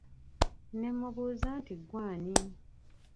Ne mmubuuza nti ggwe ani?